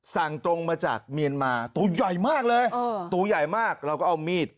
สั่งตรงมาจากเมียนมาตัวใหญ่มากเลยตัวใหญ่มากเราก็เอามีด